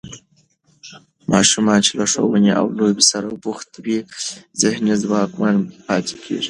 ماشومان چې له ښوونې او لوبو سره بوخت وي، ذهني ځواکمن پاتې کېږي.